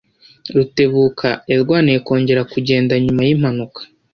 Rutebuka yarwaniye kongera kugenda nyuma yimpanuka.